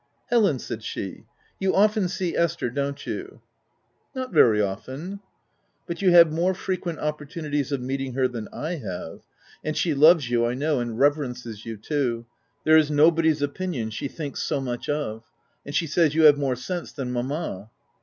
" Helen/' said she, " you often see Esther, don't you }" OF WILDPELL HALL, 245 " Not very often/' " But you have more frequent opportunities of meeting her than I ha^e : and she loves you I know, and reverences you too : there is no body's opinion she thinks so much of; and she says you have more sense than mamma."